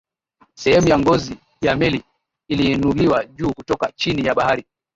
sehemu ya ngozi ya meli iliinuliwa juu kutoka chini ya bahari